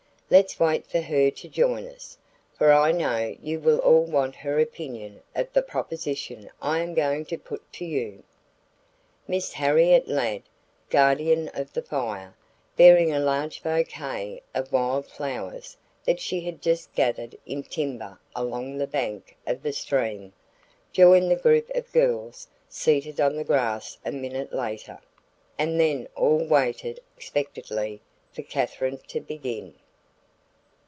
Let's wait for her to join us, for I know you will all want her opinion of the proposition I am going to put to you." Miss Harriet Ladd, Guardian of the Fire, bearing a large bouquet of wild flowers that she had just gathered in timber and along the bank of the stream, joined the group of girls seated on the grass a minute later, and then all waited expectantly for Katherine to begin.